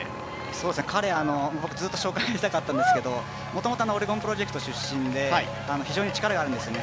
彼、ずっと紹介したかったんですけどももともとオレゴンプロジェクト出身で非常に力があるんですよね。